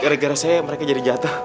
gara gara saya mereka jadi jatuh